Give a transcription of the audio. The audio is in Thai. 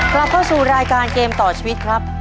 กลับเข้าสู่รายการเกมต่อชีวิตครับ